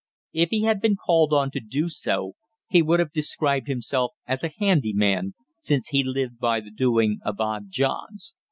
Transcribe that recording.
If he had been called on to do so, he would have described himself as a handy man, since he lived by the doing of odd jobs.